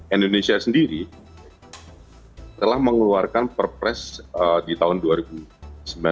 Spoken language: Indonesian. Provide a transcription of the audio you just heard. indonesia sendiri telah mengeluarkan perpres di tahun dua ribu sembilan belas nomor lima puluh lima